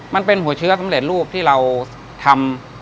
มันเป็นหัวเชื้อสำเร็จรูปที่เราทำ